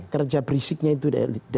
kerja berisiknya itu deelit disini